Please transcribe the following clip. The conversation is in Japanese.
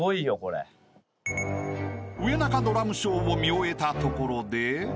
［上中ドラムショーを見終えたところで］